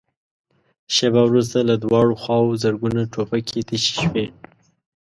شېبه وروسته له دواړو خواوو زرګونه ټوپکې تشې شوې.